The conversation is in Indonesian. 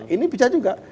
ini bisa juga